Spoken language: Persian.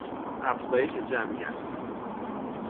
افزایش جمعیت